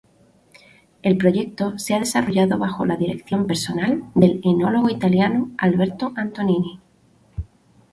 El proyecto se ha desarrollado bajo la dirección personal del enólogo italiano Alberto Antonini.